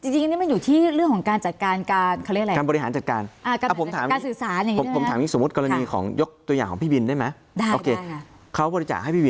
จริงนี่มันอยู่ที่เรื่องของการจัดการการเขาเรียกอะไร